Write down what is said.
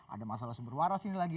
ada masalah sumber waras ini lagi